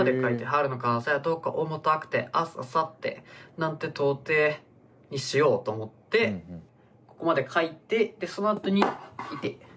「春の風どこか重たくて明日明後日なんて到底」にしようと思ってここまで書いてでそのあとに痛っ。